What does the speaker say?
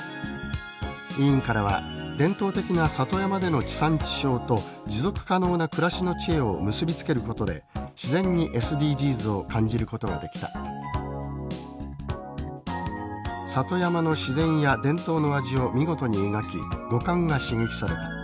委員からは「伝統的な里山での地産地消と持続可能な暮らしの知恵を結び付けることで自然にＳＤＧｓを感じることができた」「里山の自然や伝統の味を見事に描き五感が刺激された。